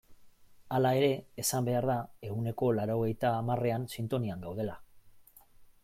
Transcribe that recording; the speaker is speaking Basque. Hala ere, esan behar da ehuneko laurogeita hamarrean sintonian gaudela.